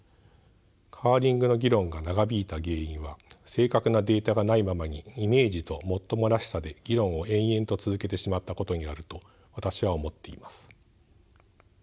カーリングの議論が長引いた原因は正確なデータがないままにイメージともっともらしさで議論を延々と続けてしまったことにあると私は思っています。